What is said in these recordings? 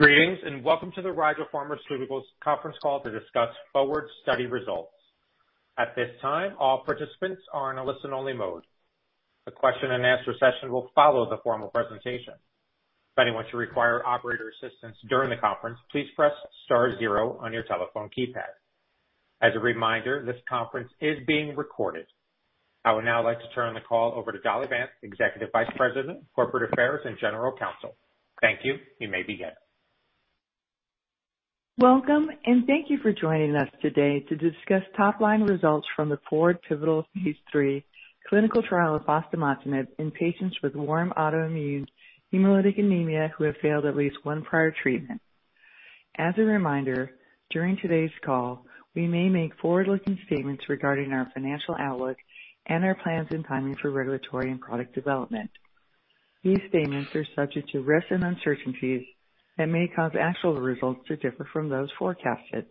Greetings, and welcome to the Rigel Pharmaceuticals conference call to discuss FORWARD study results. At this time, all participants are in a listen-only mode. A question and answer session will follow the formal presentation. If anyone should require operator assistance during the conference, please press star zero on your telephone keypad. As a reminder, this conference is being recorded. I would now like to turn the call over to Dolly Vance, Executive Vice President, Corporate Affairs and General Counsel. Thank you. You may begin. Welcome, and thank you for joining us today to discuss top-line results from the FORWARD pivotal Phase III clinical trial of fostamatinib in patients with warm autoimmune hemolytic anemia who have failed at least one prior treatment. As a reminder, during today's call, we may make forward-looking statements regarding our financial outlook and our plans and timing for regulatory and product development. These statements are subject to risks and uncertainties that may cause actual results to differ from those forecasted.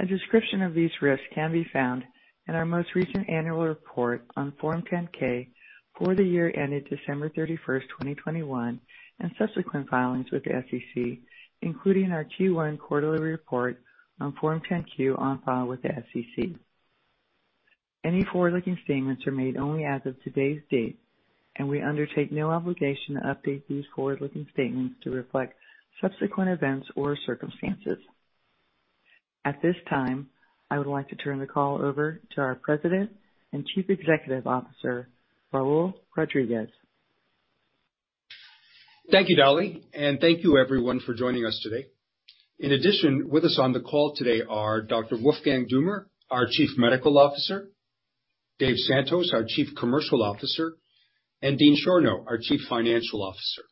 A description of these risks can be found in our most recent annual report on Form 10-K for the year ended December 31, 2021, and subsequent filings with the SEC, including our Q1 quarterly report on Form 10-Q on file with the SEC. Any forward-looking statements are made only as of today's date, and we undertake no obligation to update these forward-looking statements to reflect subsequent events or circumstances. At this time, I would like to turn the call over to our President and Chief Executive Officer, Raul Rodriguez. Thank you, Dolly, and thank you everyone for joining us today. In addition, with us on the call today are Dr. Wolfgang Dummer, our Chief Medical Officer, Dave Santos, our Chief Commercial Officer, and Dean Schorno, our Chief Financial Officer.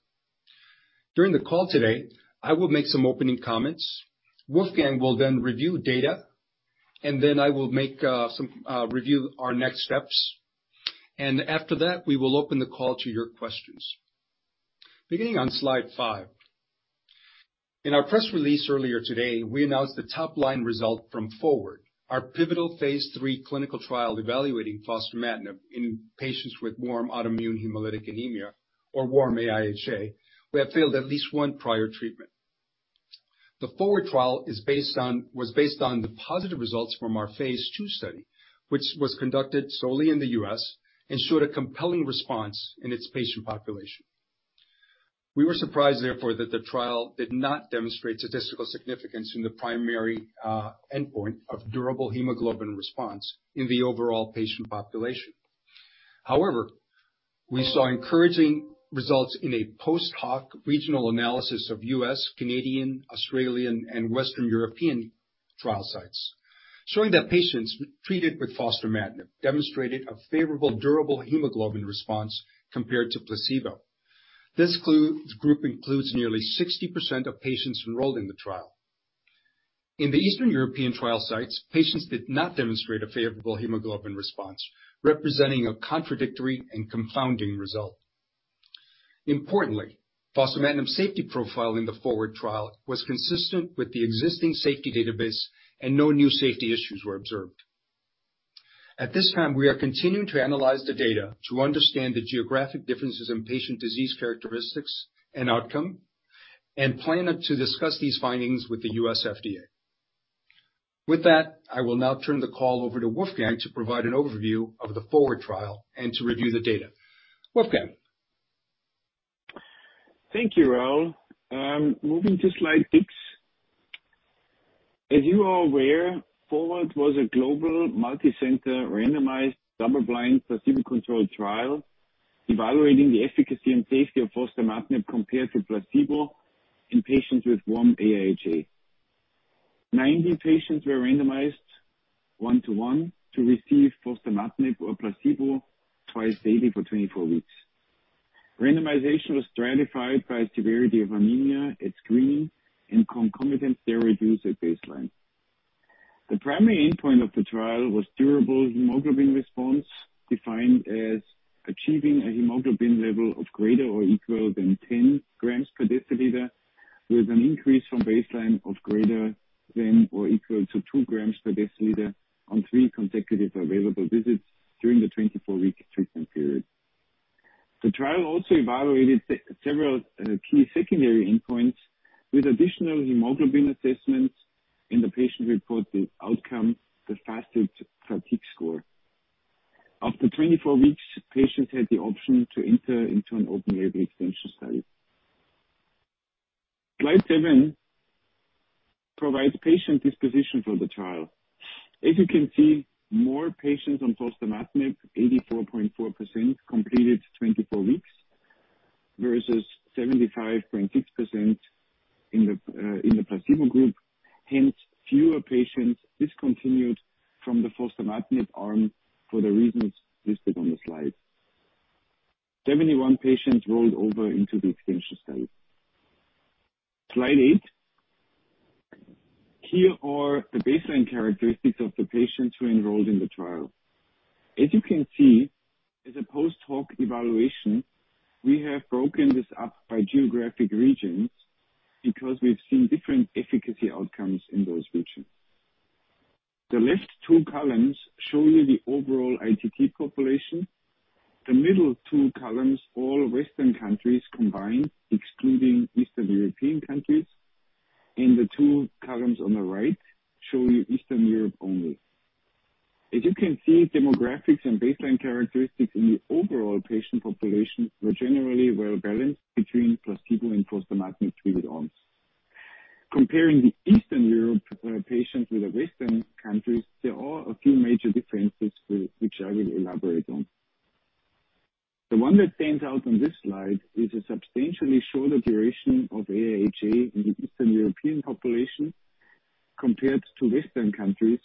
During the call today, I will make some opening comments. Wolfgang will then review data, and then I will make some review our next steps. After that, we will open the call to your questions. Beginning on slide five. In our press release earlier today, we announced the top-line result from FORWARD, our pivotal phase III clinical trial evaluating fostamatinib in patients with warm autoimmune hemolytic anemia, or warm AIHA, who have failed at least one prior treatment. The FORWARD trial was based on the positive results from our phase II study, which was conducted solely in the U.S. and showed a compelling response in its patient population. We were surprised, therefore, that the trial did not demonstrate statistical significance in the primary endpoint of durable hemoglobin response in the overall patient population. However, we saw encouraging results in a post-hoc regional analysis of U.S., Canadian, Australian, and Western European trial sites, showing that patients treated with fostamatinib demonstrated a favorable durable hemoglobin response compared to placebo. This group includes nearly 60% of patients enrolled in the trial. In the Eastern European trial sites, patients did not demonstrate a favorable hemoglobin response, representing a contradictory and confounding result. Importantly, fostamatinib safety profile in the FORWARD trial was consistent with the existing safety database, and no new safety issues were observed. At this time, we are continuing to analyze the data to understand the geographic differences in patient disease characteristics and outcome and plan to discuss these findings with the U.S. FDA. With that, I will now turn the call over to Wolfgang to provide an overview of the FORWARD trial and to review the data. Wolfgang. Thank you, Raul. Moving to slide six. As you are aware, FORWARD was a global, multicenter, randomized, double-blind, placebo-controlled trial evaluating the efficacy and safety of fostamatinib compared to placebo in patients with warm AIHA. 90 patients were randomized one-one to receive fostamatinib or placebo twice daily for 24 weeks. Randomization was stratified by severity of anemia at screening and concomitant steroid use at baseline. The primary endpoint of the trial was durable hemoglobin response, defined as achieving a hemoglobin level of greater or equal than 10 g/dl with an increase from baseline of greater than or equal to 2 g/dl on three consecutive available visits during the 24-week treatment period. The trial also evaluated several key secondary endpoints with additional hemoglobin assessments in the patient-reported outcome, the FACIT-Fatigue score. After 24 weeks, patients had the option to enter into an open-label extension study. Slide seven provides patient disposition for the trial. As you can see, more patients on fostamatinib, 84.4%, completed 24 weeks versus 75.6% in the placebo group. Hence, fewer patients discontinued from the fostamatinib arm for the reasons listed on the slide. 71 patients rolled over into the extension study. Slide eight. Here are the baseline characteristics of the patients who enrolled in the trial. As you can see, as a post-hoc evaluation, we have broken this up by geographic regions because we've seen different efficacy outcomes in those regions. The left two columns show you the overall ITP population, the middle two columns, all Western countries combined, excluding Eastern European countries, and the two columns on the right show you Eastern Europe only. As you can see, demographics and baseline characteristics in the overall patient population were generally well-balanced between placebo and fostamatinib-treated arms. Comparing the Eastern European patients with the Western countries, there are a few major differences which I will elaborate on. The one that stands out on this slide is a substantially shorter duration of AIHA in the Eastern European population compared to Western countries,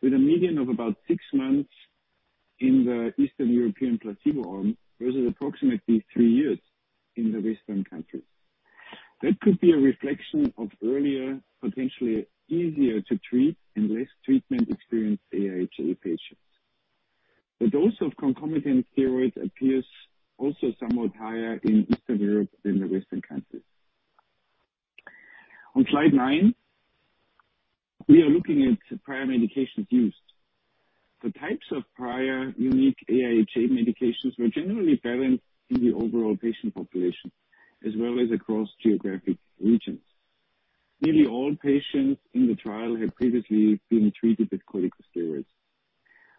with a median of about six months in the Eastern European placebo arm versus approximately three years in the Western countries. That could be a reflection of earlier, potentially easier to treat and less treatment-experienced AIHA patients. The dose of concomitant steroids appears also somewhat higher in Eastern Europe than the Western countries. On slide nine, we are looking at prior medications used. The types of prior unique AIHA medications were generally balanced in the overall patient population, as well as across geographic regions. Nearly all patients in the trial had previously been treated with corticosteroids.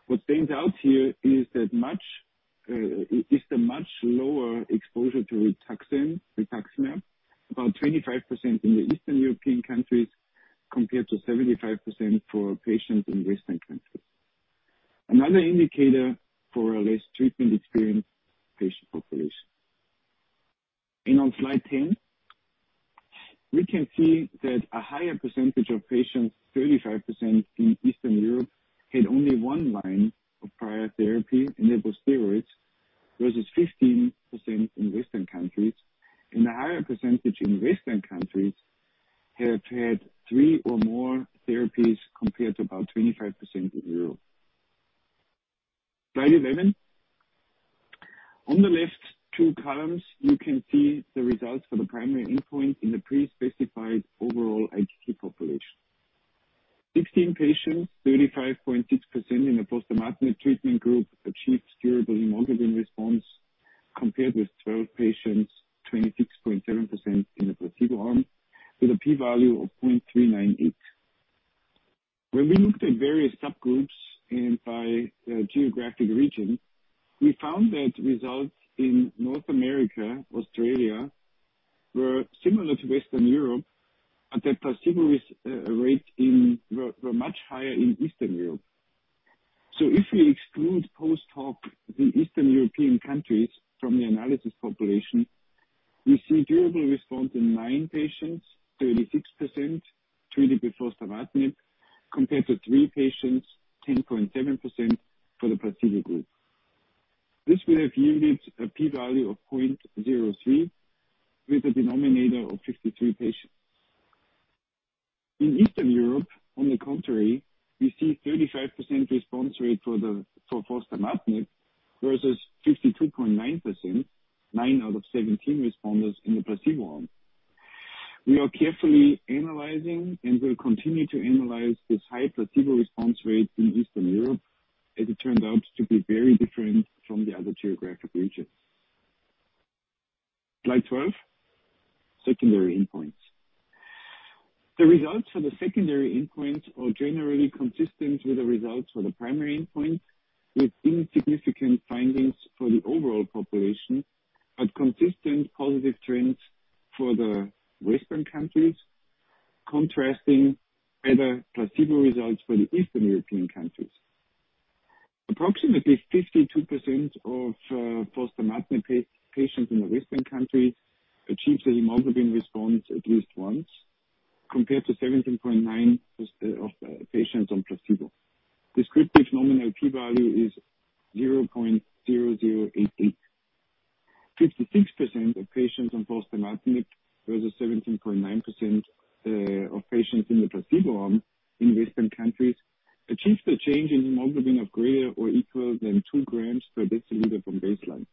What stands out here is the much lower exposure to Rituxan, rituximab, about 25% in the Eastern European countries compared to 75% for patients in Western countries. Another indicator for a less treatment-experienced patient population. On slide 10, we can see that a higher percentage of patients, 35% in Eastern Europe, had only one line of prior therapy, and it was steroids, versus 15% in Western countries, and the higher percentage in Western countries have had three or more therapies compared to about 25% in Europe. Slide 11. On the left two columns, you can see the results for the primary endpoint in the pre-specified overall ITP population. 16 patients, 35.6% in the fostamatinib treatment group, achieved durable hemoglobin response compared with 12 patients, 26.7% in the placebo arm with a P value of 0.398. When we looked at various subgroups and by geographic region, we found that results in North America, Australia were similar to Western Europe, but the placebo response rate were much higher in Eastern Europe. If we exclude post-hoc the Eastern European countries from the analysis population, we see durable response in nine patients, 36% treated with fostamatinib, compared to three patients, 10.7% for the placebo group. This would have yielded a P-value of 0.03 with a denominator of 53 patients. In Eastern Europe, on the contrary, we see 35% response rate for fostamatinib versus 52.9%, nine out of 17 responders in the placebo arm. We are carefully analyzing and will continue to analyze this high placebo response rate in Eastern Europe, as it turned out to be very different from the other geographic regions. Slide 12, secondary endpoints. The results for the secondary endpoints are generally consistent with the results for the primary endpoint, with insignificant findings for the overall population, but consistent positive trends for the Western countries, contrasting better placebo results for the Eastern European countries. Approximately 52% of fostamatinib patients in the Western countries achieved the hemoglobin response at least once, compared to 17.9% of patients on placebo. Descriptive nominal P-value is 0.0088. 56% of patients on fostamatinib versus 17.9% of patients in the placebo arm in Western countries achieved a change in hemoglobin of greater or equal than 2 g/dl from baseline.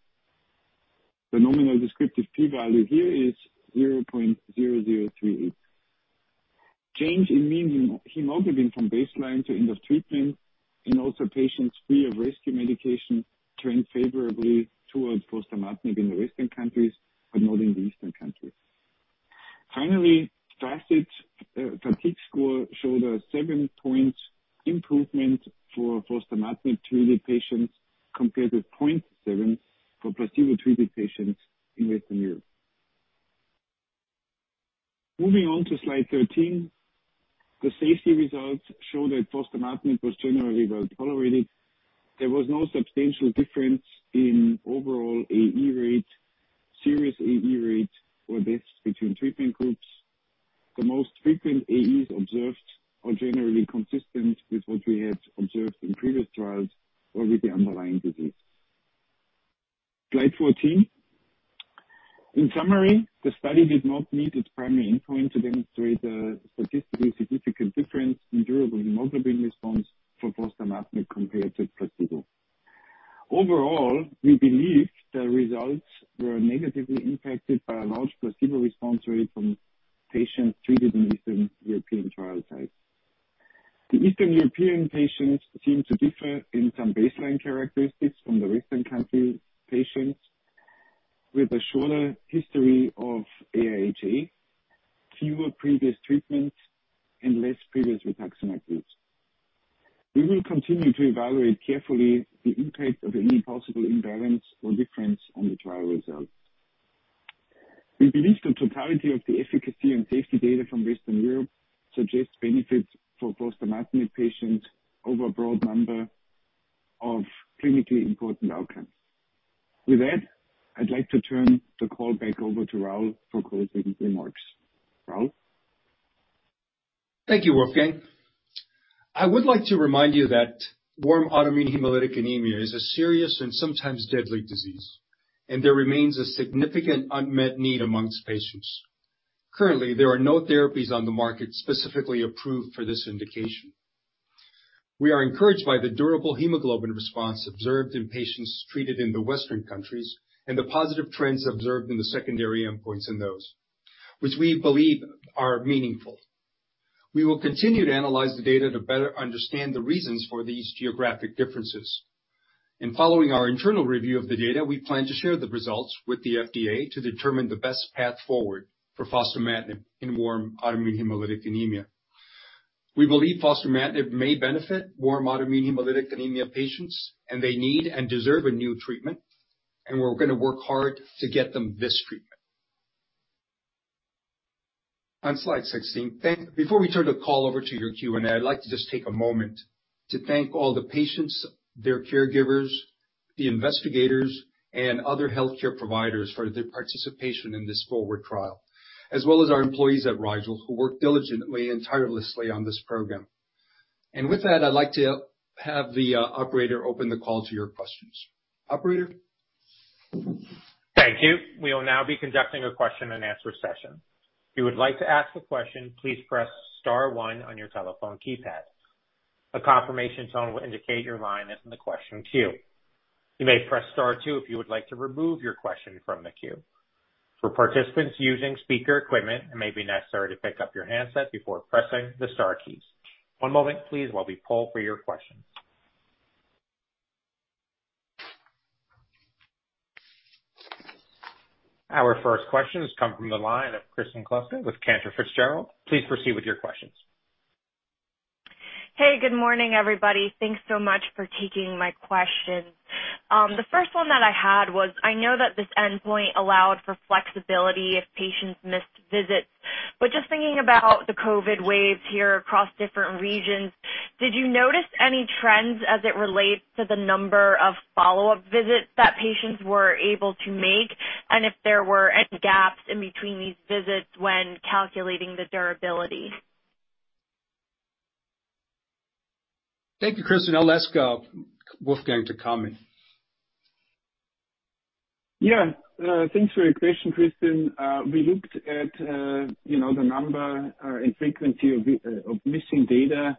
The nominal descriptive P-value here is 0.0038. Change in mean hemoglobin from baseline to end of treatment and also patients free of rescue medication trend favorably towards fostamatinib in the Western countries, but not in the Eastern countries. Finally, FACIT fatigue score showed a seven-point improvement for fostamatinib-treated patients compared with 0.7 for placebo-treated patients in Western Europe. Moving on to slide 13, to remind you that warm autoimmune hemolytic anemia is a serious and sometimes deadly disease, and there remains a significant unmet need amongst patients. Currently, there are no therapies on the market specifically approved for this indication. We are encouraged by the durable hemoglobin response observed in patients treated in the Western countries and the positive trends observed in the secondary endpoints in those, which we believe are meaningful. We will continue to analyze the data to better understand the reasons for these geographic differences. Following our internal review of the data, we plan to share the results with the FDA to determine the best path forward for fostamatinib in warm autoimmune hemolytic anemia. We believe fostamatinib may benefit warm autoimmune hemolytic anemia patients, and they need and deserve a new treatment, and we're going to work hard to get them this treatment. On slide 16, before we turn the call over to your Q&A, I'd like to just take a moment to thank all the patients, their caregivers, the investigators, and other healthcare providers for their participation in this FORWARD trial, as well as our employees at Rigel who worked diligently and tirelessly on this program. With that, I'd like to have the operator open the call to your questions. Operator? Thank you. We will now be conducting a question-and-answer session. If you would like to ask a question, please press star one on your telephone keypad. A confirmation tone will indicate your line is in the question queue. You may press star two if you would like to remove your question from the queue. For participants using speaker equipment, it may be necessary to pick up your handset before pressing the star keys. One moment please while we poll for your questions. Our first question has come from the line of Kristen Kluska with Cantor Fitzgerald. Please proceed with your questions. Hey, good morning, everybody. Thanks so much for taking my questions. The first one that I had was I know that this endpoint allowed for flexibility if patients missed visits. Just thinking about the COVID waves here across different regions, did you notice any trends as it relates to the number of follow-up visits that patients were able to make and if there were any gaps in between these visits when calculating the durability? Thank you, Kristen. I'll ask, Wolfgang to comment. Yeah. Thanks for your question, Kristen. We looked at, you know, the number and frequency of missing data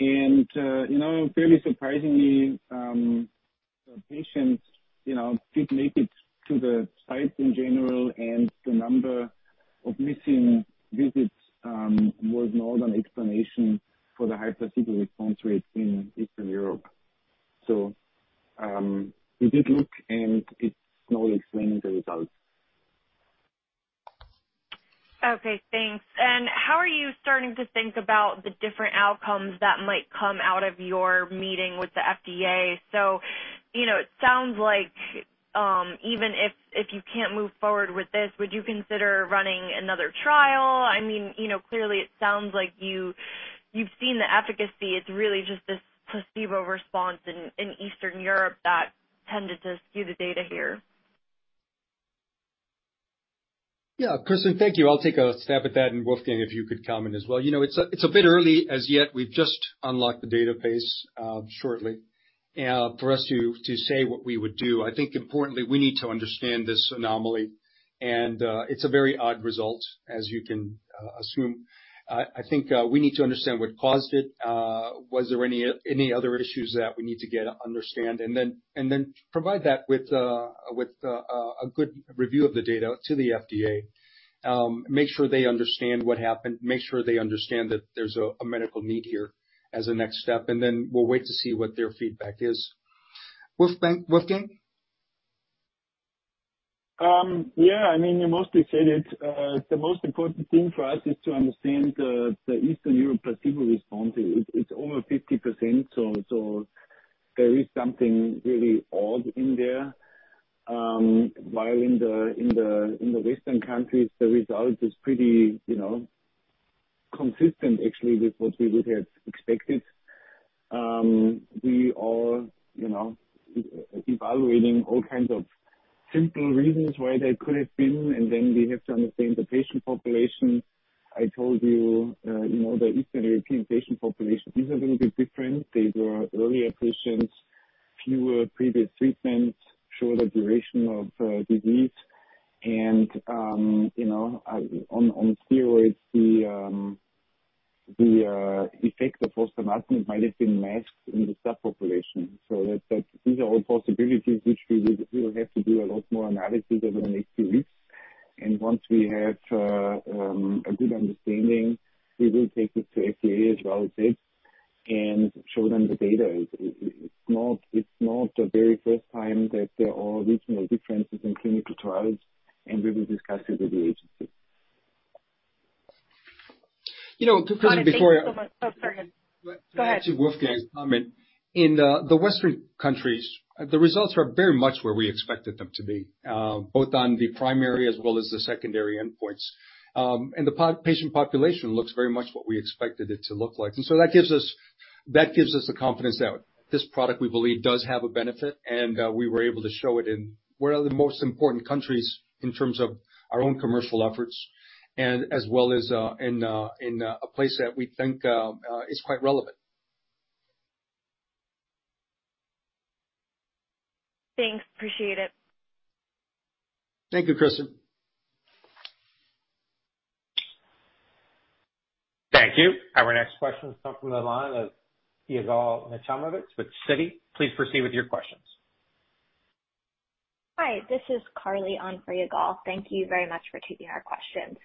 and, you know, fairly surprisingly, the patients, you know, did make it to the site in general, and the number of missing visits was not an explanation for the high placebo response rates in Eastern Europe. We did look, and it's not explaining the results. Okay, thanks. How are you starting to think about the different outcomes that might come out of your meeting with the FDA? You know, it sounds like even if you can't move forward with this, would you consider running another trial? I mean, you know, clearly it sounds like you've seen the efficacy. It's really just this placebo response in Eastern Europe that tended to skew the data here. Yeah. Kristen, thank you. I'll take a stab at that, and Wolfgang, if you could comment as well. You know, it's a bit early as yet. We've just unlocked the database shortly for us to say what we would do. I think importantly, we need to understand this anomaly, and it's a very odd result, as you can assume. I think we need to understand what caused it, was there any other issues that we need to understand, and then provide that with a good review of the data to the FDA. Make sure they understand what happened, make sure they understand that there's a medical need here as a next step, and then we'll wait to see what their feedback is. Wolfgang? Yeah. I mean, you mostly said it. The most important thing for us is to understand the Eastern Europe placebo response. It's over 50%, so there is something really odd in there. While in the Western countries, the result is pretty, you know, consistent actually with what we would have expected. We are, you know, evaluating all kinds of simple reasons why they could have been, and then we have to understand the patient population. I told you know, the Eastern European patient population is a little bit different. These are earlier patients, fewer previous treatments, shorter duration of disease and, you know, on steroids, the effect of fostamatinib might have been masked in the subpopulation. That's... These are all possibilities which we will have to do a lot more analysis over the next few weeks. Once we have a good understanding, we will take it to FDA as well as it and show them the data. It's not the very first time that there are regional differences in clinical trials, and we will discuss it with the agency. To Wolfgang's comment. In the Western countries, the results are very much where we expected them to be, both on the primary as well as the secondary endpoints. The patient population looks very much what we expected it to look like. That gives us the confidence that this product, we believe, does have a benefit. We were able to show it in one of the most important countries in terms of our own commercial efforts as well as in a place that we think is quite relevant. Thanks, appreciate it. Thank you, Kristen. Thank you. Our next question comes from the line of Yigal Nochomovitz with Citi. Please proceed with your questions. Hi, this is Carly on for Yigal. Thank you very much for taking our questions.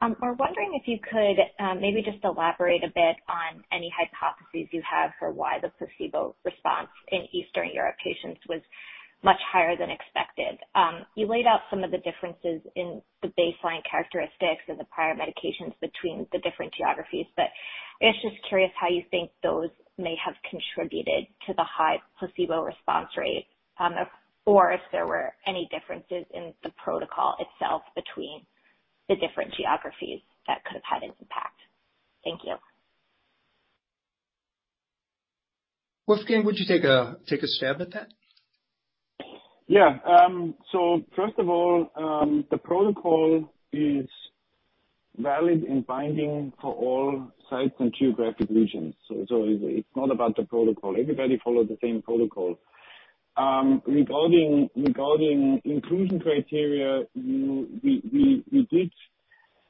We're wondering if you could maybe just elaborate a bit on any hypotheses you have for why the placebo response in Eastern Europe patients was much higher than expected. You laid out some of the differences in the baseline characteristics of the prior medications between the different geographies, but I was just curious how you think those may have contributed to the high placebo response rate, or if there were any differences in the protocol itself between the different geographies that could have had an impact. Thank you. Wolfgang, would you take a stab at that? Yeah. First of all, the protocol is valid in binding for all sites and geographic regions. It's not about the protocol. Everybody followed the same protocol. Regarding inclusion criteria, you know, we did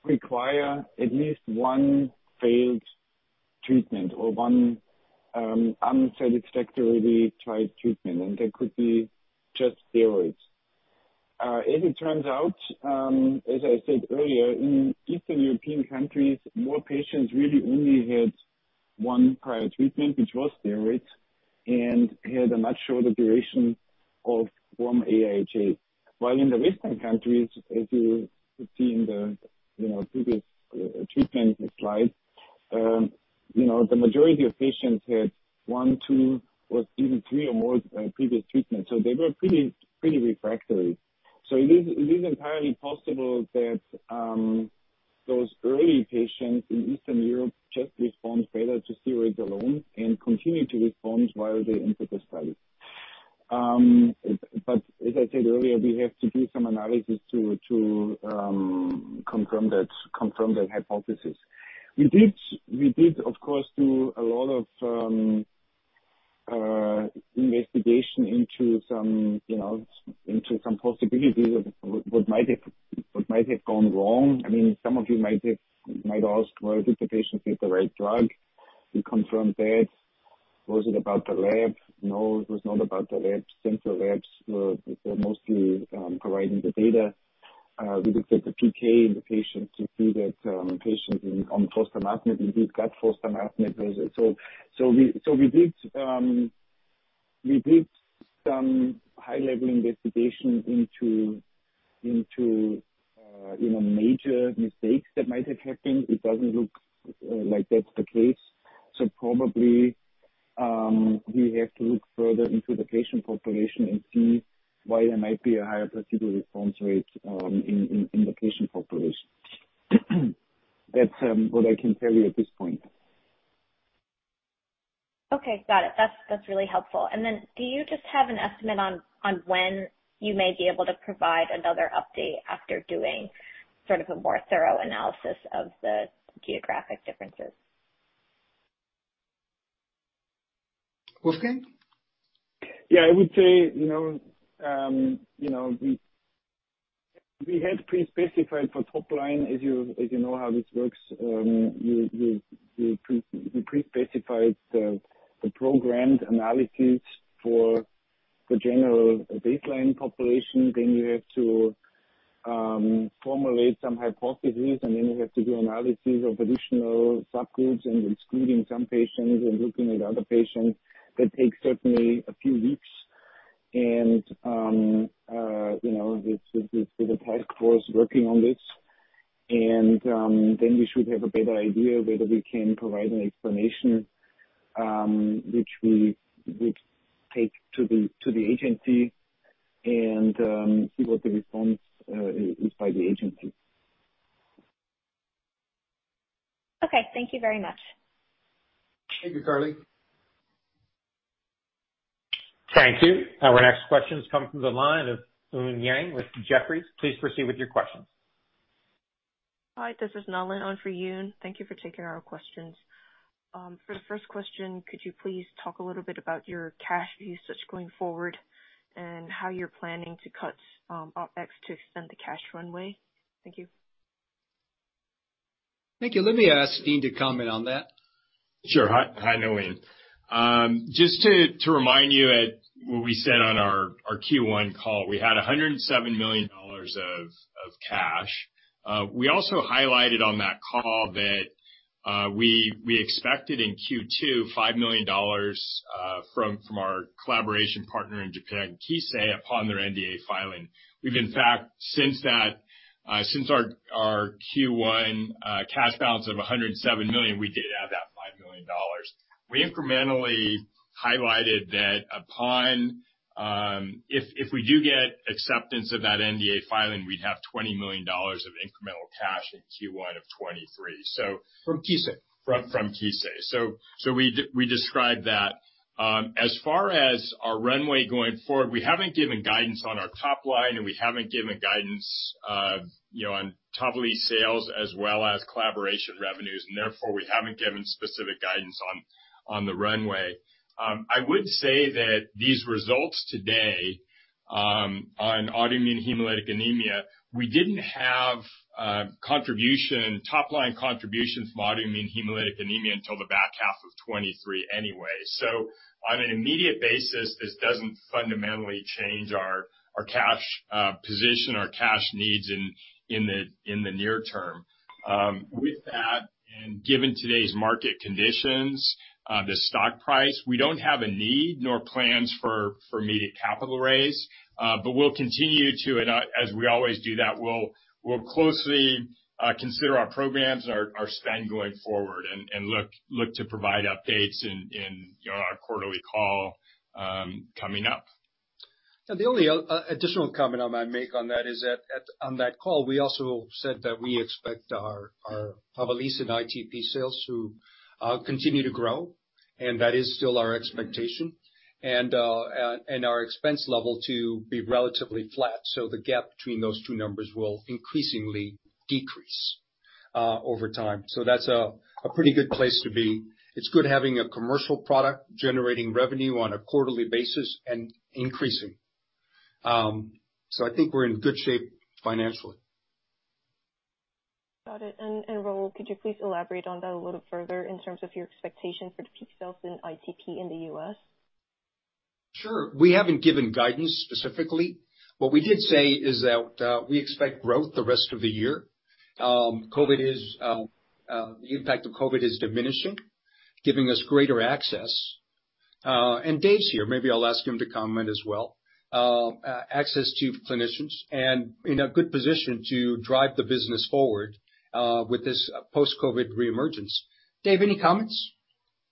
require at least one failed treatment or one unsatisfactorily tried treatment, and that could be just steroids. As it turns out, as I said earlier, in Eastern European countries, more patients really only had one prior treatment, which was steroids, and had a much shorter duration of warm AIHA. While in the Western countries, as you could see in the, you know, previous treatment slide, you know, the majority of patients had one, two or even three or more previous treatments, so they were pretty refractory. It is entirely possible that those early patients in Eastern Europe just respond better to steroids alone and continue to respond while they enter the study. As I said earlier, we have to do some analysis to confirm that hypothesis. We did, of course, do a lot of investigation into some, you know, possibilities of what might have gone wrong. I mean, some of you might ask, well, did the patient take the right drug? We confirmed that. Was it about the lab? No, it was not about the lab. Central labs were mostly providing the data. We looked at the PK in the patient to see that patients on fostamatinib indeed got fostamatinib. We did some high-level investigation into you know major mistakes that might have happened. It doesn't look like that's the case. Probably we have to look further into the patient population and see why there might be a higher placebo response rate in the patient population. That's what I can tell you at this point. Okay, got it. That's really helpful. Do you just have an estimate on when you may be able to provide another update after doing sort of a more thorough analysis of the geographic differences? Wolfgang? Yeah, I would say, you know, you know, we had pre-specified for top line, as you know how this works. You pre-specify the programmed analysis for general baseline population. Then you have to formulate some hypotheses, and then you have to do analysis of additional subgroups and excluding some patients and looking at other patients. That takes certainly a few weeks. You know, with the task force working on this. Then we should have a better idea whether we can provide an explanation, which we would take to the agency and see what the response is by the agency. Okay, thank you very much. Thank you, Carly. Thank you. Our next question comes from the line of Yun Zhong with Jefferies. Please proceed with your questions. Hi, this is Nolan on for Yun. Thank you for taking our questions. For the first question, could you please talk a little bit about your cash usage going forward and how you're planning to cut OpEx to extend the cash runway? Thank you. Thank you. Let me ask Dean to comment on that. Sure. Hi, Nolan. Just to remind you at what we said on our Q1 call. We had $107 million of cash. We also highlighted on that call that we expected in Q2 $5 million from our collaboration partner in Japan, Kissei, upon their NDA filing. We've in fact, since that, since our Q1 cash balance of $107 million, we did add that $5 million. We incrementally highlighted that upon if we do get acceptance of that NDA filing, we'd have $20 million of incremental cash in Q1 of 2023. From Kissei. From Kissei. We described that. As far as our runway going forward, we haven't given guidance on our top line, and we haven't given guidance, you know, on TAVALISSE sales as well as collaboration revenues, and therefore, we haven't given specific guidance on the runway. I would say that these results today on autoimmune hemolytic anemia, we didn't have top-line contributions from autoimmune hemolytic anemia until the back half of 2023 anyway. On an immediate basis, this doesn't fundamentally change our cash position, our cash needs in the near term. With that, and given today's market conditions, the stock price, we don't have a need nor plans for immediate capital raise. We'll continue to, as we always do that we'll closely consider our programs and our spend going forward and look to provide updates in, you know, our quarterly call coming up. Now, the only additional comment I might make on that is that on that call, we also said that we expect our TAVALISSE and ITP sales to continue to grow, and that is still our expectation. Our expense level to be relatively flat. The gap between those two numbers will increasingly decrease over time. That's a pretty good place to be. It's good having a commercial product generating revenue on a quarterly basis and increasing. I think we're in good shape financially. Got it. Raul, could you please elaborate on that a little further in terms of your expectation for the peak sales in ITP in the U.S.? Sure. We haven't given guidance specifically. What we did say is that we expect growth the rest of the year. The impact of COVID is diminishing, giving us greater access. Dave's here, maybe I'll ask him to comment as well. Access to clinicians and in a good position to drive the business forward with this post-COVID reemergence. Dave, any comments?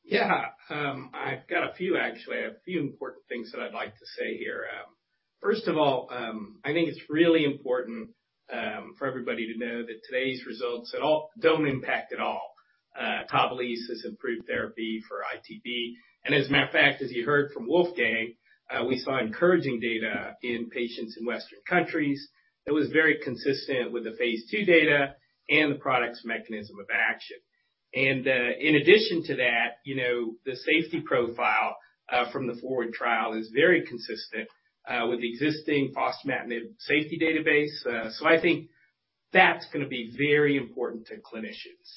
Yeah. I've got a few actually. A few important things that I'd like to say here. First of all, I think it's really important for everybody to know that today's results at all don't impact at all TAVALISSE's improved therapy for ITP. As a matter of fact, as you heard from Wolfgang, we saw encouraging data in patients in Western countries that was very consistent with the phase II data and the product's mechanism of action. In addition to that, you know, the safety profile from the FORWARD trial is very consistent with the existing fostamatinib safety database. I think that's gonna be very important to clinicians.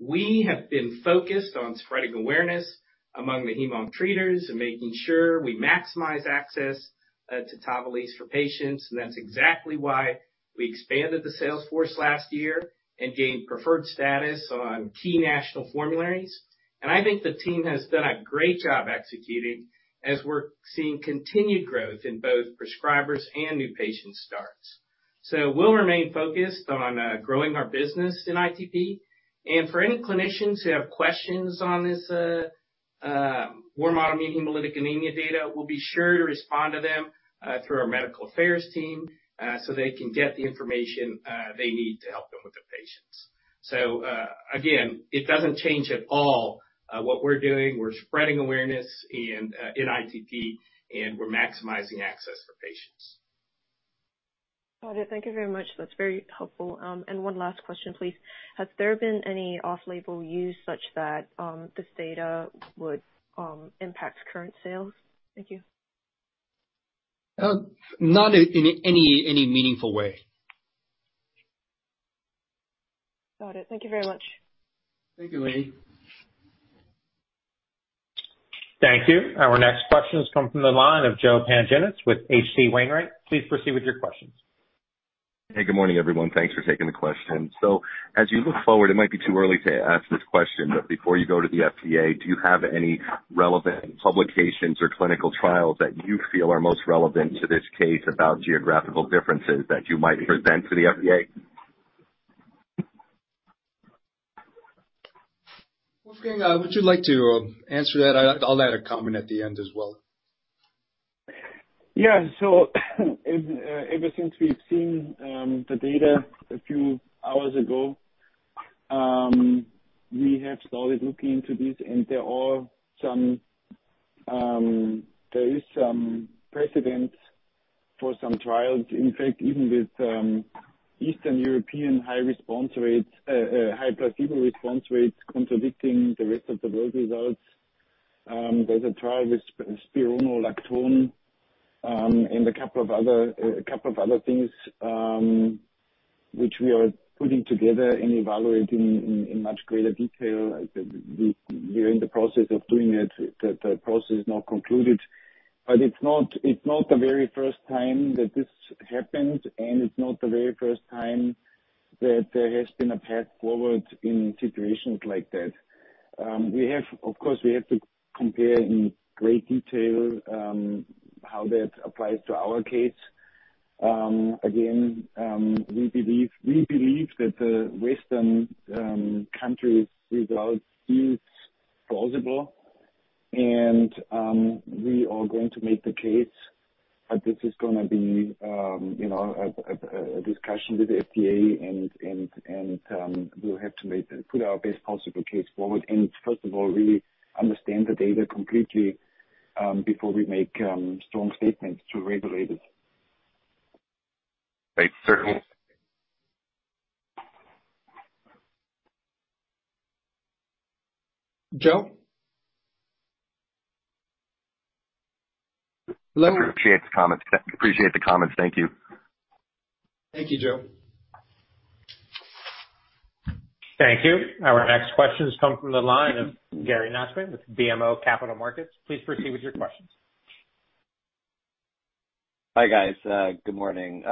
We have been focused on spreading awareness among the heme-onc treaters and making sure we maximize access to TAVALISSE for patients. That's exactly why we expanded the sales force last year and gained preferred status on key national formularies. I think the team has done a great job executing as we're seeing continued growth in both prescribers and new patient starts. We'll remain focused on growing our business in ITP. For any clinicians who have questions on this warm autoimmune hemolytic anemia data, we'll be sure to respond to them through our medical affairs team so they can get the information they need to help them with their patients. Again, it doesn't change at all what we're doing. We're spreading awareness and in ITP, and we're maximizing access for patients. Got it. Thank you very much. That's very helpful. One last question, please. Has there been any off-label use such that, this data would, impact current sales? Thank you. Not in any meaningful way. Got it. Thank you very much. Thank you, Nolan. Thank you. Our next question has come from the line of Joe Pantginis with H.C. Wainwright. Please proceed with your questions. Hey, good morning, everyone. Thanks for taking the question. As you look forward, it might be too early to ask this question, but before you go to the FDA, do you have any relevant publications or clinical trials that you feel are most relevant to this case about geographical differences that you might present to the FDA? Wolfgang, would you like to answer that? I'll add a comment at the end as well. Ever since we've seen the data a few hours ago, we have started looking into this and there are some. There is some precedent for some trials. In fact, even with Eastern European high response rates, high placebo response rates contradicting the rest of the world results. There's a trial with spironolactone and a couple of other things which we are putting together and evaluating in much greater detail. We're in the process of doing it. The process is not concluded. It's not the very first time that this happened, and it's not the very first time that there has been a path forward in situations like that. Of course, we have to compare in great detail how that applies to our case. Again, we believe that the Western countries result is plausible and we are going to make the case. This is gonna be, you know, a discussion with the FDA and we'll have to put our best possible case forward and first of all, really understand the data completely before we make strong statements to regulators. Right. Certainly. Joe? Appreciate the comments. Thank you, Joe. Thank you. Our next question comes from the line of Gary Nachman with BMO Capital Markets. Please proceed with your questions. Hi, guys. Good morning.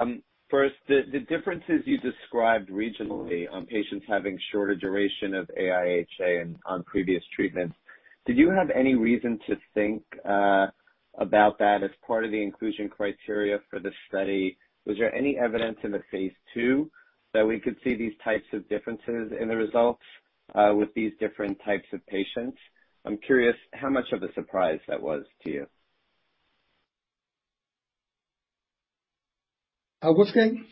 First, the differences you described regionally on patients having shorter duration of AIHA and on previous treatments, did you have any reason to think about that as part of the inclusion criteria for the study? Was there any evidence in the phase II that we could see these types of differences in the results with these different types of patients? I'm curious how much of a surprise that was to you. Augustine.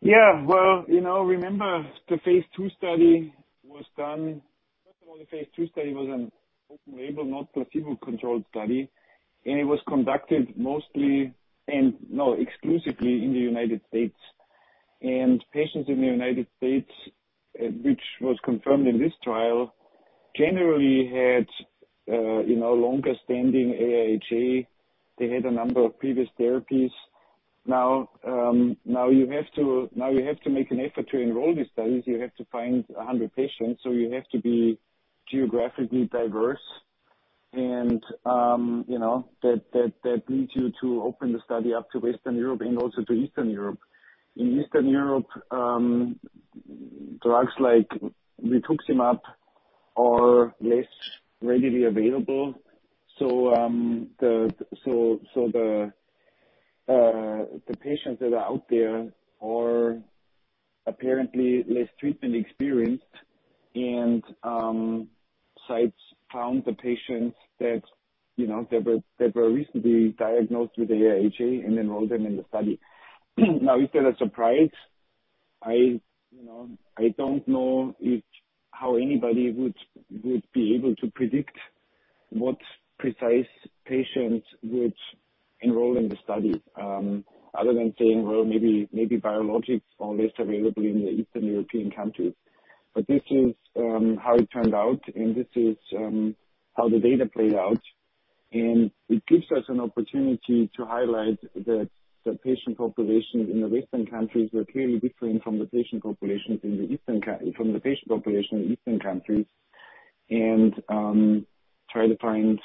Yeah. Well, you know, remember the phase II study was done. First of all, the phase II study was an open label, not placebo-controlled study, and it was conducted exclusively in the United States. Patients in the United States, which was confirmed in this trial, generally had you know, longer standing AIHA. They had a number of previous therapies. Now, you have to make an effort to enroll these studies. You have to find 100 patients, so you have to be geographically diverse. You know, that leads you to open the study up to Western Europe and also to Eastern Europe. In Eastern Europe, drugs like rituximab are less readily available. The patients that are out there are apparently less treatment experienced. Sites found the patients that, you know, that were recently diagnosed with AIHA and enrolled them in the study. Now, is that a surprise? I you know, I don't know if how anybody would be able to predict what precise patients would enroll in the study, other than saying, well, maybe biologics are less available in the Eastern European countries. This is how it turned out, and this is how the data played out. It gives us an opportunity to highlight the patient populations in the Western countries were clearly different from the patient population in Eastern countries and try to find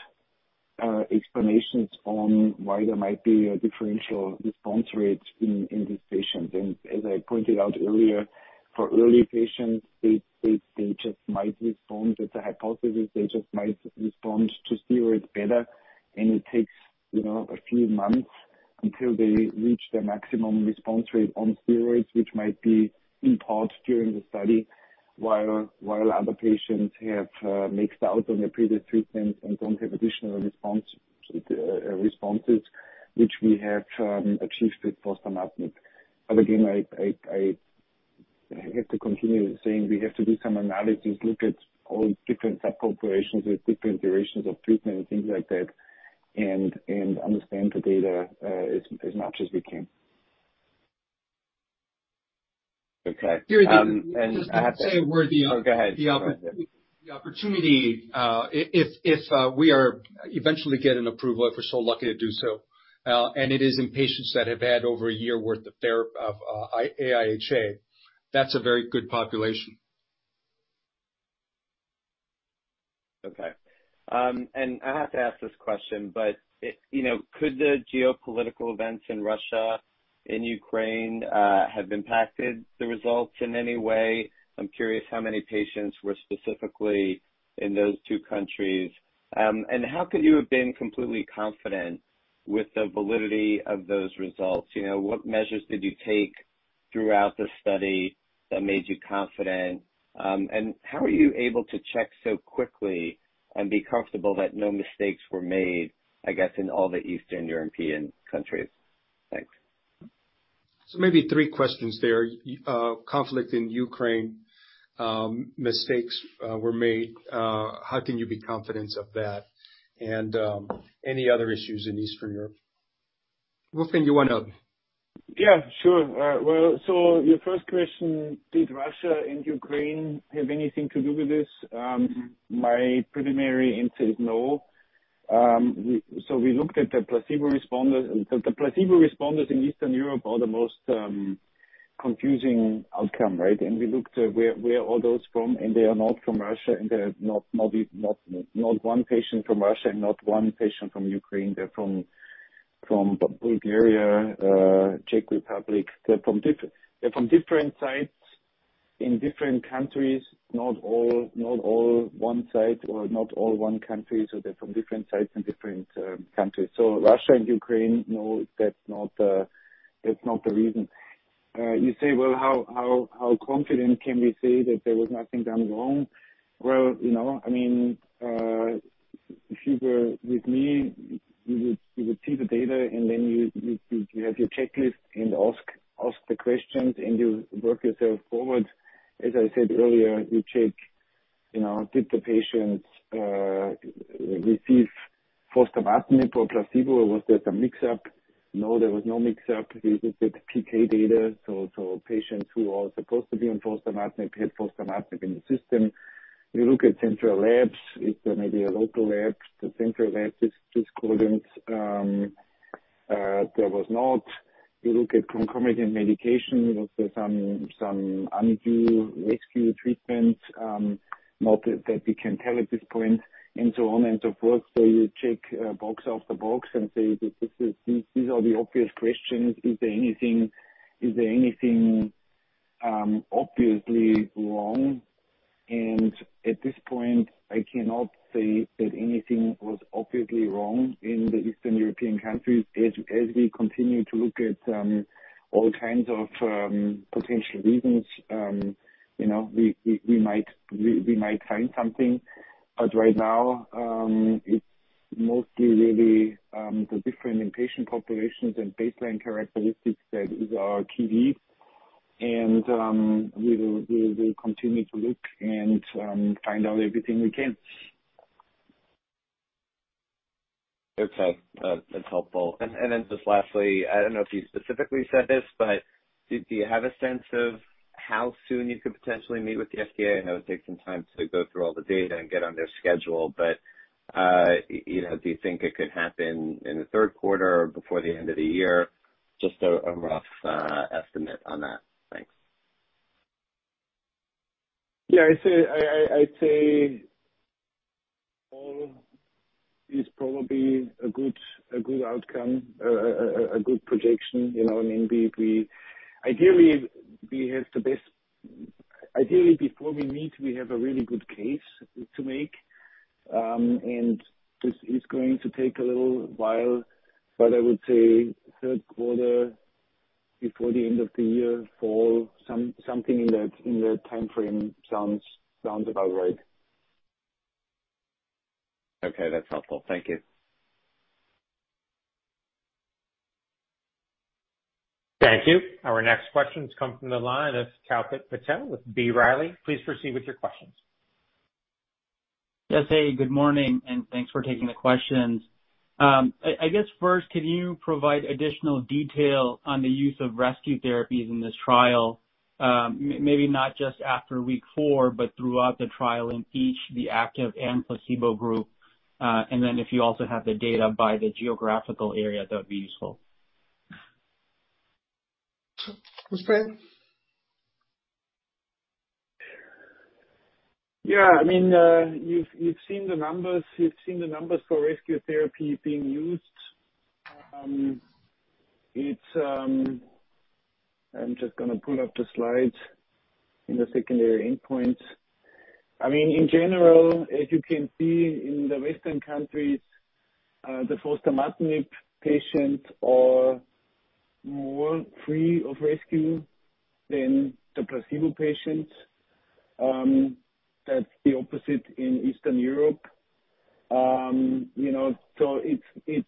explanations on why there might be a differential response rate in these patients. As I pointed out earlier, for early patients, they just might respond. That's a hypothesis. They just might respond to steroids better. It takes, you know, a few months until they reach their maximum response rate on steroids, which might be in part during the study, while other patients have maxed out on their previous treatments and don't have additional responses which we have achieved with fostamatinib. Again, I have to continue saying we have to do some analysis, look at all different subpopulations with different durations of treatment and things like that, and understand the data as much as we can. Okay. The opportunity, if we eventually get an approval, if we're so lucky to do so, and it is in patients that have had over a year worth of AIHA, that's a very good population. Okay. I have to ask this question, but, you know, could the geopolitical events in Russia and Ukraine have impacted the results in any way? I'm curious how many patients were specifically in those two countries. How could you have been completely confident with the validity of those results? You know, what measures did you take throughout the study that made you confident? How are you able to check so quickly and be comfortable that no mistakes were made, I guess, in all the Eastern European countries? Thanks. Maybe three questions there. Conflict in Ukraine, mistakes were made. How can you be confident of that? Any other issues in Eastern Europe? Wolfgang, you wanna- Yeah, sure. Well, your first question, did Russia and Ukraine have anything to do with this? My preliminary answer is no. We looked at the placebo responders. The placebo responders in Eastern Europe are the most confusing outcome, right? We looked where all those are from, and they are not from Russia, and they're not one patient from Russia and not one patient from Ukraine. They're from Bulgaria, Czech Republic. They're from different sites in different countries, not all one site or not all one country. They're from different sites and different countries. Russia and Ukraine, no, that's not the reason. You say, "Well, how confident can we say that there was nothing done wrong?" Well, you know, I mean, if you were with me, you would see the data, and then you have your checklist and ask the questions and you work yourself forward. As I said earlier, you check, you know, did the patient receive fostamatinib or placebo, or was there some mix up? No, there was no mix up. We looked at the PK data. Patients who were all supposed to be on fostamatinib had fostamatinib in the system. We look at central labs. If there may be a local lab, the central lab discrepancy just couldn't, there was not. We look at concomitant medication. Was there some undue rescue treatments, not that we can tell at this point and so on and so forth. You check box after box and say that this is. These are the obvious questions. Is there anything obviously wrong? At this point, I cannot say that anything was obviously wrong in the Eastern European countries. As we continue to look at all kinds of potential reasons, you know, we might find something. Right now, it's mostly really the different patient populations and baseline characteristics that is our key lead. We will continue to look and find out everything we can. Okay. That's helpful. Just lastly, I don't know if you specifically said this, but do you have a sense of how soon you could potentially meet with the FDA? I know it takes some time to go through all the data and get on their schedule. You know, do you think it could happen in the third quarter or before the end of the year? Just a rough estimate on that. Thanks. Yeah. I'd say fall is probably a good outcome, a good projection. You know what I mean? Ideally, before we meet, we have a really good case to make, and this is going to take a little while. I would say third quarter, before the end of the year, fall, something in that timeframe sounds about right. Okay. That's helpful. Thank you. Thank you. Our next question comes from the line of Kalpit Patel with B. Riley. Please proceed with your questions. Yes. Hey, good morning and thanks for taking the questions. I guess first, can you provide additional detail on the use of rescue therapies in this trial, maybe not just after week four but throughout the trial in each, the active and placebo group? Then if you also have the data by the geographical area, that would be useful. Wolfgang? Yeah. I mean, you've seen the numbers for rescue therapy being used. It's. I'm just gonna pull up the slides in the secondary endpoints. I mean, in general, as you can see in the Western countries, the fostamatinib patients are more free of rescue than the placebo patients. That's the opposite in Eastern Europe. You know, so it's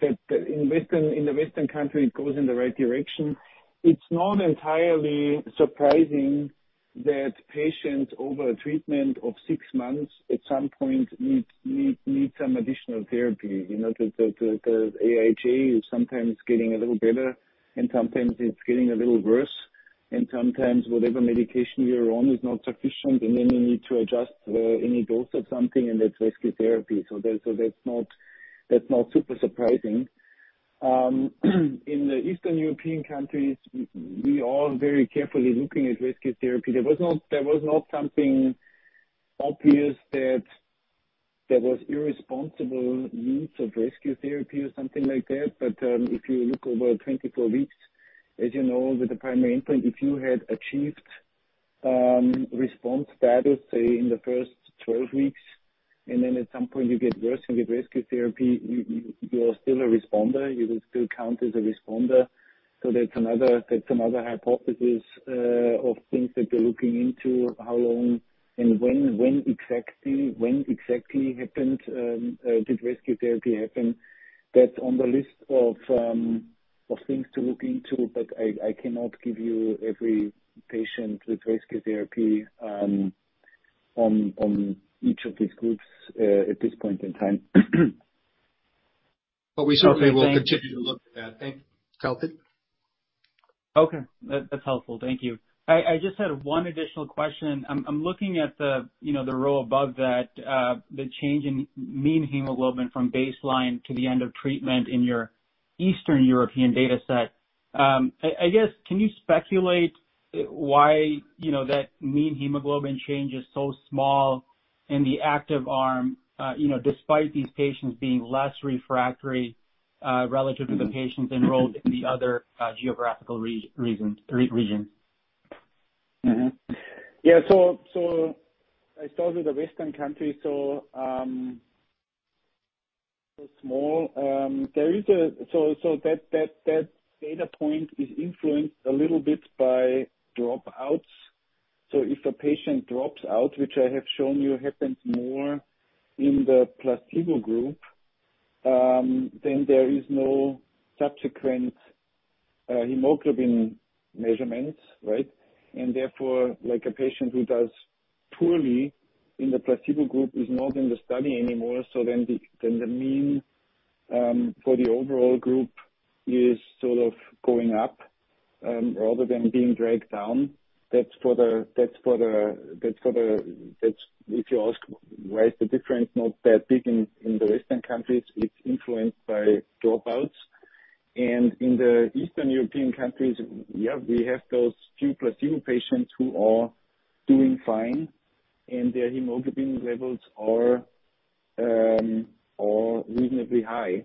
that in Western, in the Western country, it goes in the right direction. It's not entirely surprising that patients over a treatment of six months at some point need some additional therapy. You know, the AIHA is sometimes getting a little better and sometimes it's getting a little worse, and sometimes whatever medication you're on is not sufficient, and then you need to adjust any dose of something, and that's rescue therapy. That's not super surprising. In the Eastern European countries, we are very carefully looking at rescue therapy. There was not something obvious that there was irresponsible use of rescue therapy or something like that. If you look over 24 weeks, as you know with the primary endpoint, if you had achieved response status, say in the first 12 weeks, and then at some point you get worse and get rescue therapy, you're still a responder. You will still count as a responder. That's another hypothesis of things that we're looking into, how long and when exactly did rescue therapy happen. That's on the list of things to look into, but I cannot give you every patient with rescue therapy on each of these groups at this point in time. We certainly will continue to look at that. Thank you. Kalpit? Okay. That's helpful. Thank you. I just had one additional question. I'm looking at the, you know, the row above that, the change in mean hemoglobin from baseline to the end of treatment in your Eastern European data set. I guess, can you speculate why, you know, that mean hemoglobin change is so small in the active arm, you know, despite these patients being less refractory, relative to the patients enrolled in the other, geographical regions? I started with the Western countries, so small. That data point is influenced a little bit by dropouts. If a patient drops out, which I have shown you happens more in the placebo group, then there is no subsequent hemoglobin measurements, right? Therefore, like a patient who does poorly in the placebo group is not in the study anymore, so then the mean for the overall group is sort of going up rather than being dragged down. That's if you ask why is the difference not that big in the Western countries. It's influenced by dropouts. In the Eastern European countries, yeah, we have those few placebo patients who are doing fine, and their hemoglobin levels are reasonably high.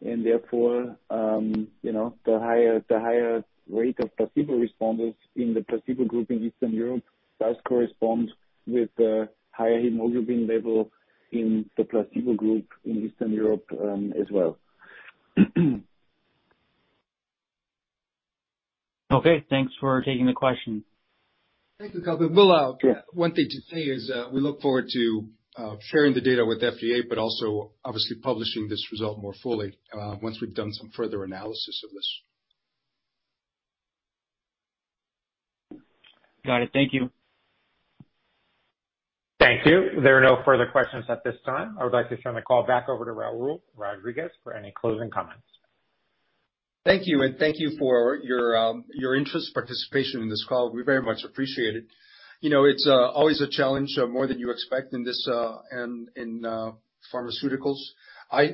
Therefore, you know, the higher rate of placebo responders in the placebo group in Eastern Europe does correspond with the higher hemoglobin level in the placebo group in Eastern Europe, as well. Okay, thanks for taking the question. Thank you, Kalpit. Well, one thing to say is we look forward to sharing the data with FDA, but also obviously publishing this result more fully once we've done some further analysis of this. Got it. Thank you. Thank you. There are no further questions at this time. I would like to turn the call back over to Raul Rodriguez for any closing comments. Thank you, and thank you for your interest and participation in this call. We very much appreciate it. You know, it's always a challenge more than you expect in pharmaceuticals.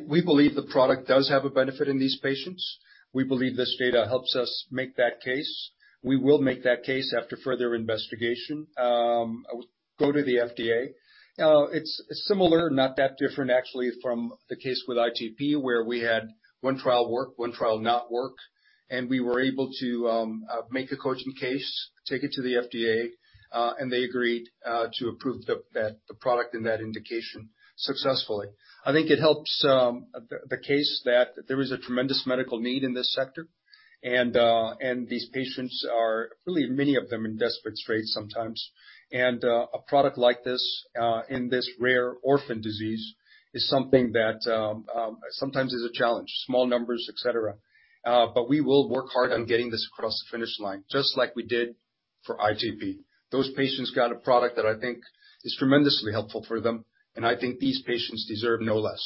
We believe the product does have a benefit in these patients. We believe this data helps us make that case. We will make that case after further investigation. I would go to the FDA. It's similar, not that different actually from the case with ITP where we had one trial work, one trial not work, and we were able to make a compelling case, take it to the FDA, and they agreed to approve the product and that indication successfully. I think it helps the case that there is a tremendous medical need in this sector. These patients are really many of them in desperate straits sometimes. A product like this in this rare orphan disease is something that sometimes is a challenge, small numbers, et cetera. We will work hard on getting this across the finish line, just like we did for ITP. Those patients got a product that I think is tremendously helpful for them, and I think these patients deserve no less.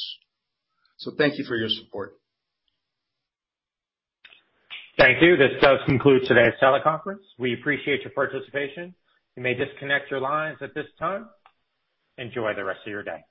Thank you for your support. Thank you. This does conclude today's teleconference. We appreciate your participation. You may disconnect your lines at this time. Enjoy the rest of your day.